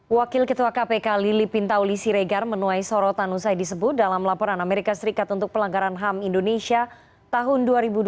wakil ketua kpk lili pintauli siregar menuai sorotan usai disebut dalam laporan amerika serikat untuk pelanggaran ham indonesia tahun dua ribu dua puluh